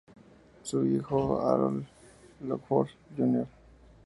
Su hijo, Harold Lockwood, Jr.